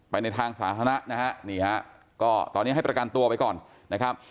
ในทางสาธารณะนะฮะนี่ฮะก็ตอนนี้ให้ประกันตัวไปก่อนนะครับ